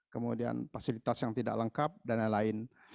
kemudian fasilitas yang tidak lengkap dan lain lain